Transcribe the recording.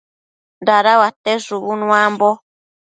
Dadauate shubu nuambo